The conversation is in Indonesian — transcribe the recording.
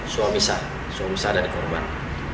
suami saya suami sah dari korban